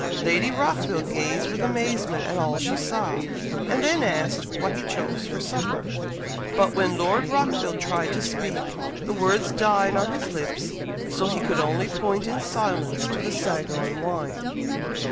Lady Rockville gazed with amazement at all she saw, and then asked what he chose for supper; but when Lord Rockville tried to speak, the words died on his lips, so he could only point in silence to the sago and wine.